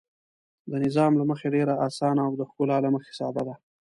د نظم له مخې ډېر اسانه او د ښکلا له مخې ساده دي.